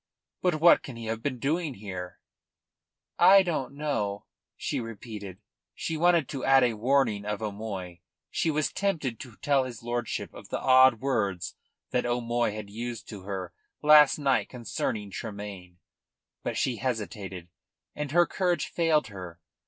"But what can he have been doing here?" "I don't know," she repeated. She wanted to add a warning of O'Moy. She was tempted to tell his lordship of the odd words that O'Moy had used to her last night concerning Tremayne. But she hesitated, and her courage failed her.